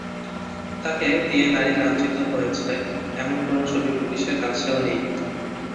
তাকে দিয়ে নারী লাঞ্ছিত হয়েছে, এমন কোনো ছবি পুলিশের কাছেও নেই।